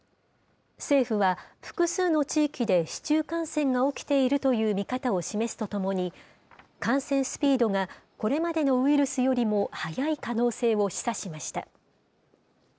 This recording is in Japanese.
政府は、複数の地域で市中感染が起きているという見方を示すとともに、感染スピードが、これまでのウイルスよりも早い可能性を示唆しました。